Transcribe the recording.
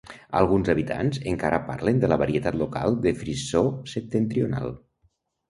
Alguns habitants encara parlen la varietat local de frisó septentrional.